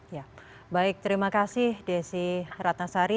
ya baik terima kasih desi ratnasari